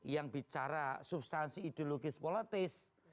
yang bicara substansi ideologis politis